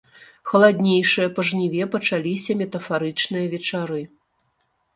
Халаднейшыя па жніве пачаліся метафарычныя вечары.